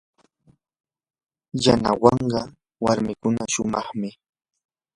yanawanka warmikuna shumaqmi.